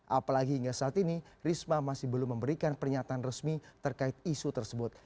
apalagi hingga saat ini risma masih belum memberikan pernyataan resmi terkait isu tersebut